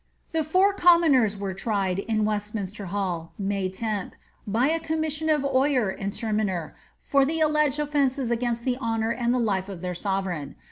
"* The four commoners were tried, in Westminster Hall, May 10, by a commission of oyer and terminer, for the alleged ofiences acainit the honour and the life of their sovereign.